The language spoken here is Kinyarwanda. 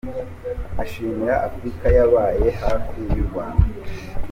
Ashimira Afurika yabaye hafi y’ u Rwanda.